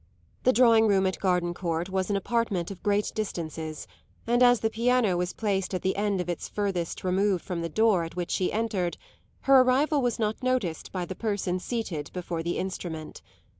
The drawing room at Gardencourt was an apartment of great distances, and, as the piano was placed at the end of it furthest removed from the door at which she entered, her arrival was not noticed by the person seated before the instrument.